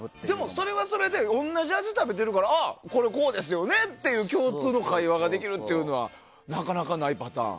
それはそれで同じ味食べてるからこれ、こうですよねっていう共通の会話ができるというのがなかなかないパターン。